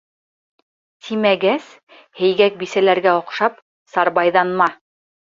Тимәгәс, һейгәк бисәләргә оҡшап, сарбайҙанма.